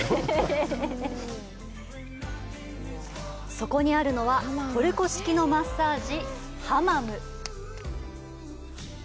そこにあるのは、トルコ式のマッサージハマム。